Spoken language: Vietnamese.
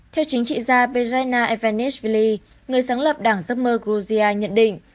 theo chính trị gia bezina ivanishvili người sáng lập đảng giấc mơ georgia nhận định